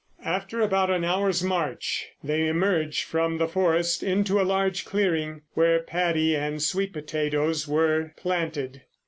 After about an hour's march they emerged from the forest into a large clearing, where paddy and sweet potatoes were planted.